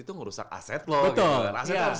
itu ngerusak aset lo aset harus